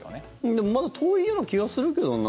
でも、まだ遠いような気がするけどな。